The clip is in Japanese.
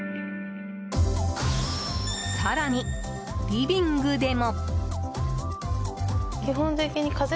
更に、リビングでも。